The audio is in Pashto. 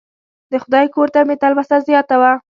د خدای کور ته مې تلوسه زیاته وه.